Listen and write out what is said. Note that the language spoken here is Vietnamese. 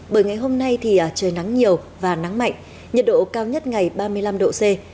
bởi ngày hôm nay thì trời nắng nhiều và nắng mạnh nhiệt độ cao nhất ngày ba mươi năm độ c